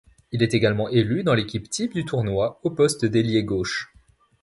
Il est également élu dans l'équipe-type du tournoi, au poste d'ailier gauche.